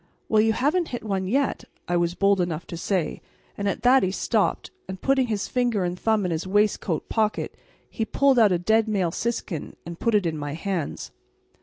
"Well, you haven't hit one yet," I was bold enough to say, and at that he stopped, and putting his finger and thumb in his waistcoat pocket he pulled out a dead male siskin and put it in my hands.